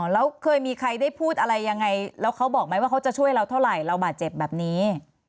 แล้วเคยมีใครได้พูดอะไรยังไงแล้วเขาบอกไหมว่าเขาจะช่วยเราเท่าไหร่เราบาดเจ็บแบบนี้